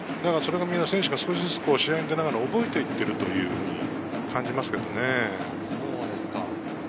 選手が少しずつ試合に出ながら覚えていっていると感じますね。